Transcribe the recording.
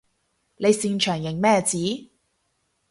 你擅長認咩字？